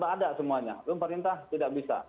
memperintah semuanya belum perintah tidak bisa